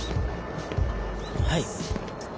はい。